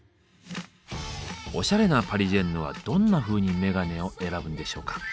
おしゃれなパリジェンヌはどんなふうにメガネを選ぶんでしょうか。